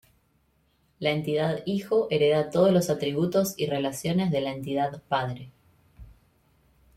La entidad "hijo" hereda todos los atributos y relaciones de la entidad "padre".